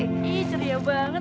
ihh ceria banget